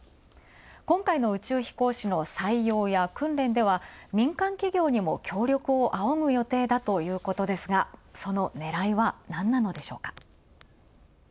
今回の宇宙飛行士の採用や訓練では、民間企業にも協力をあおぐ予定だということですが、その狙いはなんなのでしょうか？